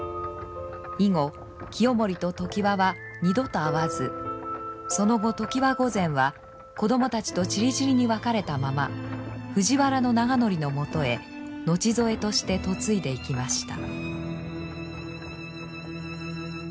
以後清盛と常磐は二度と会わずその後常磐御前は子供たちとちりぢりに別れたまま藤原長成のもとへ後添えとして嫁いでいきました。